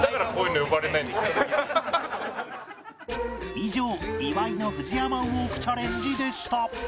以上岩井の ＦＵＪＩＹＡＭＡ ウォークチャレンジでした！